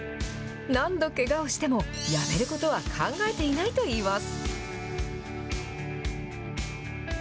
何度けがをしても、やめることは考えていないといいます。